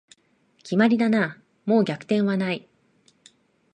決まりだな、もう逆転はない